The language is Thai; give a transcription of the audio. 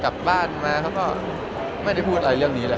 กลับบ้านมาเขาก็ไม่ได้พูดอะไรเรื่องนี้แล้ว